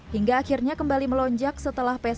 hingga akhirnya kembali melonjak setelah psbb